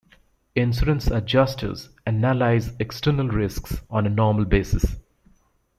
Insurance adjusters analyze external risks on a normal basis.